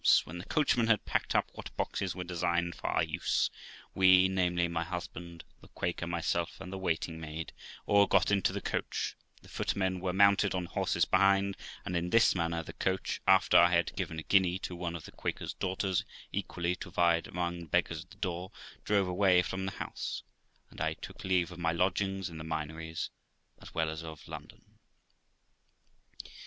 When the coachmen had packed up what boxes were designed for our use, we, namely, my husband, the Quaker, myself, and the waiting maid, all got into the coach, the footmen were mounted on horses behind, and in this manner the coach, after I had given a guinea to one of the Quaker's daughters equally to divide among the beggars at the door, drove away from the house, and I took leave of my lodging in the Minories, as well as of London.